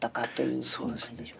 そうです。